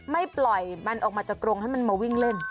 ไม่ปล่อยมันออกมาจากกรงให้มันมาวิ่งเล่น